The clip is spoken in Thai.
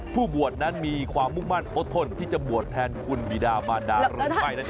ผู้บวชนั้นมีความมุ่งมั่นอดทนที่จะบวชแทนคุณบีดามารดาหรือไม่